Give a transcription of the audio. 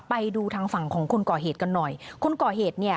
ไปดูทางฝั่งของคนก่อเหตุกันหน่อยคนก่อเหตุเนี่ย